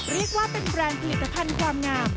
เรียกว่าเป็นแบรนด์ผลิตภัณฑ์ความงาม